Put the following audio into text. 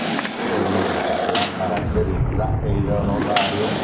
Un elemento che la caratterizza è il rosario.